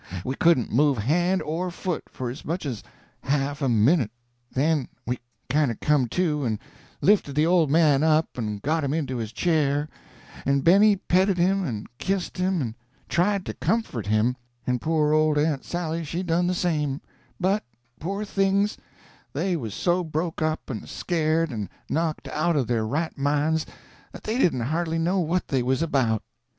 We couldn't move hand or foot for as much as half a minute. Then we kind of come to, and lifted the old man up and got him into his chair, and Benny petted him and kissed him and tried to comfort him, and poor old Aunt Sally she done the same; but, poor things, they was so broke up and scared and knocked out of their right minds that they didn't hardly know what they was about.